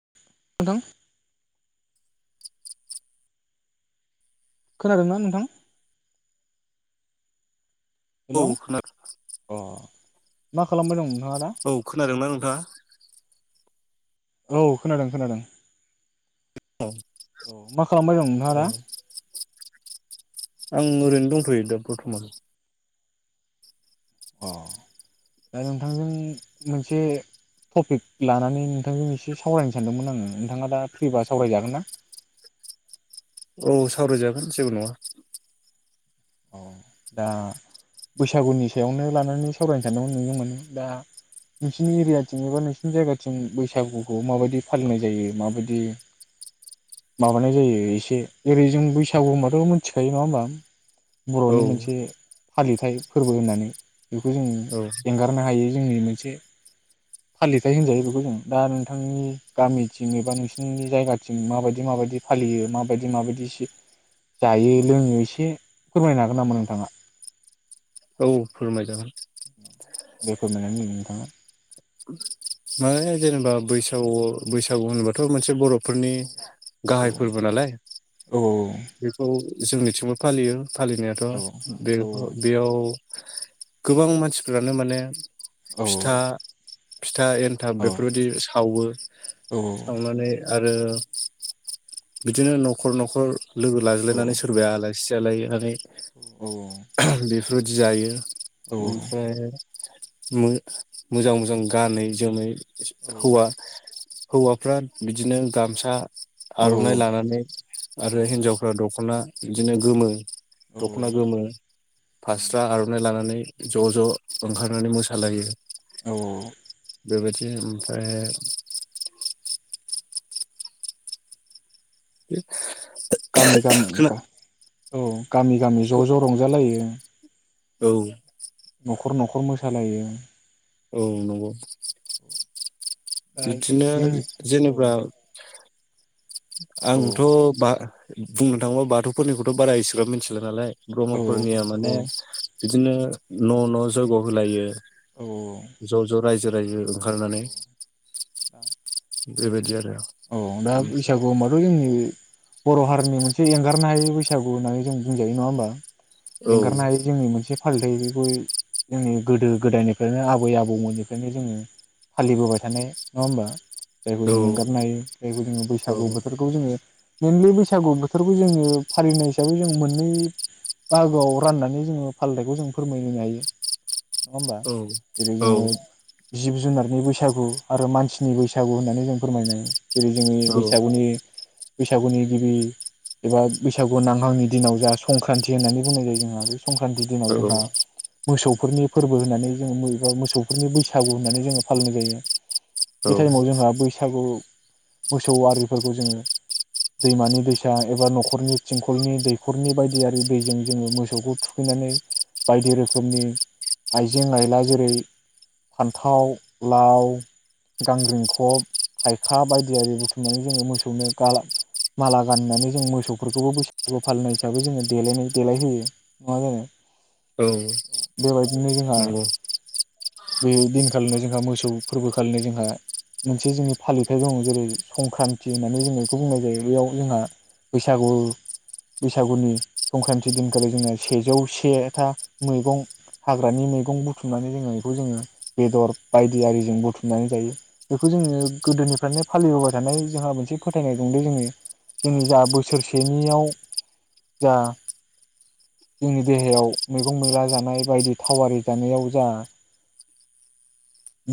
[unintelligible] खोनादोंना नोंथां? औ हेलौ खोनादों। अ मा खालामबाय दं। नोंथाङा दा औ खोनादोंना नोंथाङा? औ खोनादों खोनादों। औ औ मा खालामबाय दं नोंथाङ औ दा? आं ओरैनो दंथ'यो दा बर्थमान। अ दा नोंथांजों मोनसे टपिक लानानै नोंथांजों एसे सावरायनो सानदोंमोन आङो नोंथाङा दा फ्रिबा सावरायजागोन ना। औ सावरायजागोन जेबो नङा। अ दा बैसागुनि सायावनो लानानै सावरायनो सानदोंमोन नोजों माने दा नोंसिनि एरियाथिं एबा नोंसिनि जायगाथिं बैसागुखौ माबायदि फालिनाय जायो माबायदि माबानाय जायो एसे एरै जों बैसागु होनबाथ' मोनथिखायो नङा होमबा? औ बर'नि मोनसे‌। फालिथाय फोरबो होननानै बेखौ जों औ एंगारनो हायै जोंनि मोनसे फालिथाय होनजायो बेखौ जों दा नोंथांनि गामिथिं एबा नोंसिनि जायगाथिं माबायदि माबायदि फालियो माबायदि माबायदि जायो लोङो एसे फोरमायनो हागोन नामा नोंथाङा? औ फोरमाय जागोन। दे फोरमायनानै हो नोंथाङा। माने जेनेबा बैसागु बैसागु होनोबाथ' मोनसे बर'फोरनि औ गाहाय फोरबो नालाय औ बेखौ जोंनिथिंबो फालियो। औ फालिनायाथ' औ बे-बेयाव गोबां मानसिफ्रानो माने औ फिथा फिथा एन्थाब औ बेफोरबायदि सावो औ सावनानै आरो बिदिनो न'खर न'खर लोगो औ लाज्लायनानै सोरबाया आलाय खुसि [unintelligible] बेफ फोरबायदि जायो। ओमफ्राय मो मोजां मोजां गानै जोमै हौवा हौवाफ्रा बिदिनो गामसा औ आर'नाइ लानानै आरो हिनजावफ्रा दख'ना बिदिनो गोमो औ दख'ना गोमो फास्रा आर'नाइ लानानै ज ज ओंखार नानै मोसालायो। औ औ बेबायदि ओमफ्राय बि गामि गामि गा औ औ गामि गामि ज ज रंजालायो। औ न'खर न'खर मोसालायो। औ नंगौ। दा बिदिनो जों औ जेनेबा औ आंथ' बा बुंनो थाङोबा बाथौफोरनिखौथ' बारा इस [unintelligible] मिथिला नालाय औ ब्रह्मफोरनिया माने बिदिनो न' न' जयग' होलायो औ ज' ज' रायजो रायजो खारनानै बेबायदि आरो औ दा बैसागु माग जोंनि बर' हारिनि मोनसे एंगारनो हायै बैसागु होननानै जों बुंजायो नङा होमबा। औ एंगारनो हायि जोंनि मोनसे फालिथाय बे [unintelligible] जोंनि गोदो गोदायनिफ्रायनो आबै आबौमोननिफ्रायनो जोङो फालिबोबाय थानाय नङा होबा जायखौ औ जों एंगारनो हायि जायखौ जोङो औ बैसागु बोथोरखौ जोङो मेनलि बैसागु बोथोरखौ जोङो फालिनाय हिसाबै जों मोननै बाहागोआव राननानै जोङो फालिथायखौ जों फोरमायहोनो हायो। नङा होमबा औ जेरै औ जोङो जिब जुनारनि बैसागु आरो मानसिनि बैसागु होननानै जों फोरमायनाय जेरै जोंनि बैसागुनि बैसागुनि गिबि एबा बैसागु नांहांनि दिनाव जा संक्रान्ति होननानै बुंनाय जायो जोंहा बे संक्रान्ति दिनाव औ जोंहा मोसौफोरनि फोरबो होननानै जोङो [unintelligible] मोसौफोरनि बैसागु होननानै जोङो फालिनाय जायो। औ बे टाइमाव जोंहा बैसागु मोसौ आरिफोरखौ जोङो दैमानि दैसा एबा न'खरनि थिंखलनि दैखरनि बायदि आरि दैजों जोङो मोसौखौ थुखैनानै बायदि रोखोमनि आइजें आइला जेरै फान्थाव, लाव, गांग्रिंखब, थाइखा बायदि थियारि बुथुमनानै जोङो मोसौनो गाला माला गानहोनानै जों मोसौफोरखौबो बैसागु फालिनाय हिसाबै जोङो देलायनाय देलायहोयो नङा जोंङो औ बेबायदिनो जोंहा नंगौ बे दिन खालिनो जोंहा मोसौ फोरबो खालिनो जोंहा मोनसे जोंनि फालिथायाइ दङ। जेरै संक्रान्ति होननानै जोङो बेखौ बुंनाय जायो बेयाव जोंहा बैसागु बैसागुनि संक्रान्ति दिनखालि जोंङो सेजौ सेथा मैगं हाग्रानि मैगं बुथुमनानै जोङो बेखौ जोङो बेदर बायदि आरिजों बुथुमनानै जायो बेखौ जोङो गोदोनिफ्रायनो फालिबोबाय थानाय जोंहा मोनसे फोथायनाय दंङ जोङो जोंनि जा बोसोरसेनियाव जा जोंनि देहायाव मैगं मैला जानाय बायदि थावारि जानायाव जा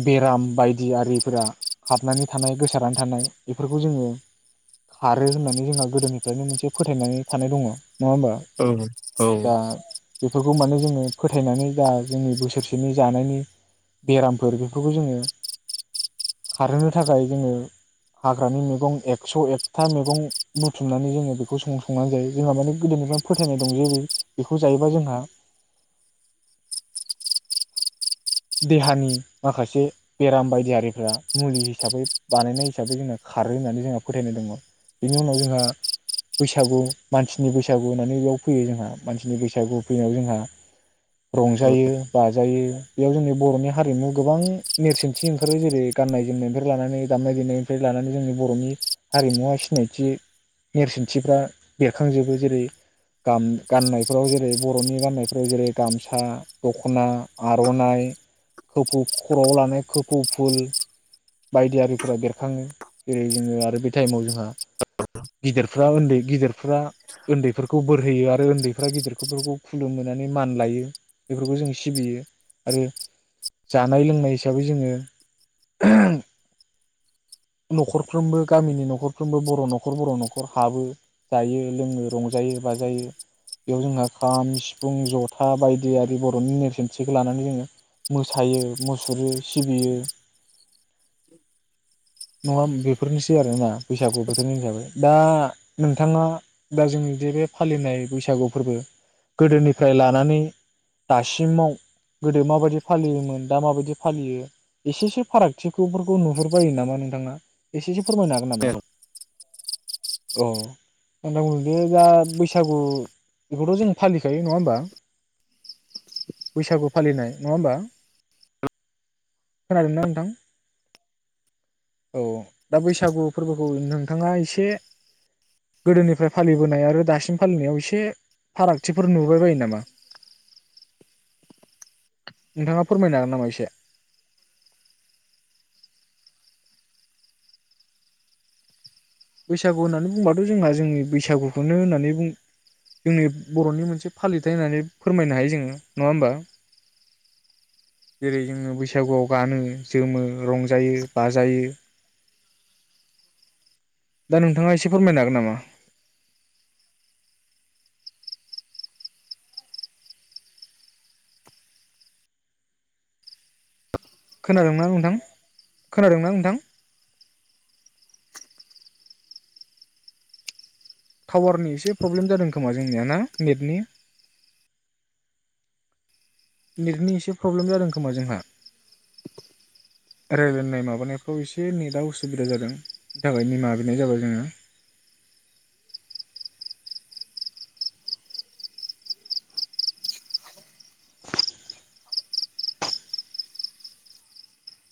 बेराम बायदि आरिफोरा हाबनानै थानाय गोस सारनानै थानाय बेफोरखौ जोङो खारो होननानै जोंहा गोदोनिफ्रायनो मोनसे फोथायनानै थानाय दङ नङा होमबा औ दा बेफोरखौ माने जोङो फोथायनानै दा हाग्रानि मैगं एकस' एकथा मैगं बुथुमनानै जोङो बेखौ सं संनानै जायो जोंहा माने गोदोनिफ्रायनो फोथायनाय दं जे बेखौ जायोबा जोंहा देहानि माखासे बेराम बायदि आरिफ्रा मुलि हिसाबै बानायनाय हिसाबै जोंहा खारो होननानै जोंहा फोथायनाय दङ बेनि उनाव जोंहा बैसागु मानसिनि बैसागु होननानै बेयाव फैयो जोंहा मानसिनि बैसागु फैनायाव जोंहा रंजायो बाजायो बेयाव जोंनि बर'नि हारिमु गोबां नेरसोनथि ओंखारो जेरै गाननाय जोमनायनिफ्राय लानानै दामनाय देनायनिफ्राय लानानै जोंनि बर'नि हारिमुवा सिनायथि नेरसोनथिफ्रा बेरखांजोबो जेरै गाम गाननायफ्राव जेरै बर'नि गाननायफ्राव जेरै गामसा दख'ना आर आर'नाय खफौ खर'आव लानाय खोफौ फुल बायदि आरारिफोरा बेरखाङो जेरै जोङो आरो बे टाइमाव जोंहा गिदिरफ्रा उन्दै गिदिरफ्रा उन्दैफोरखौ बोर होयो आरो उन्दैफ्रा गिदिरफोरखौ खुलुमोनानै मान लायो बेफोरखौ जों सिबियो आरो जानाय लोंनाय हिसाबै जोङो न'खरफ्रोमबो गामिनि न'खरफ्रोमबो बर' न'खर बर' न'खर हाबो जायो लोङो रंजायो बाजायो बेयाव जोंहा खाम सिफुं जथा बायदि आरि बर'नि नेरसोनथिखौ लानानै जोङो मोसायो मुसुरो सिबियो। नङा बेफोरनोसै आरोना बैसागु बोथोरनि हिसाबै दा नोंथाङा दा जोंनि जे बे फालिनाय बैसागु फोरबो गोदोनिफ्राय लानानै दासिमाव गोदो माबायदि फालियोमोन दा माबायदि फालियो एसेसो फाराग थिखुफोरखौ नुहुरबायायो नामा नोंथां एसेसो फोरमायनो हागोन औ नामा? औ [unintelligible] दा बैसागु बेखौथ' जों फालिखायो नङा होमबा बैसागु फालिनाय नङा होमबा खोनादोंना नोंथां औ दा बैसागु फोरबोखौ नोंथाङा एसे गोदोनिफ्राय फालिबोनाय आरो दासिम फालिनायाव एसे फारागथिफोर नुबाय बायो नामा नोंथाङा फोरमायनो हागोन नामा एसे? बैसागु होननानै बुंबाथ' जोंहा जोंनि बैसागुखौनो होननानै जोंनि बर'नि मोनसे फालिथायाइ होननानै फोरमायनो हायो जोङो नङा होमबा जेरै जोङो बैसागुआव गानो जोमो रंजायो बाजायो। दा नोंथाङा एसे फोरमायनो हागोन नामा? खोनादोंना नोंथां खोनादोंना नोंथां टावारनि एसे प्रब्लेम जादों खोमा जोंनिया ना नेटनि नेटनि एसे प्रब्लेम जादों खोमा जोंहा रायलायनाय माबानायफ्राव एसे नेटा उसुबिदा जादोंनि थाखाय निमाहा बिनाय जाबाय जोंङो।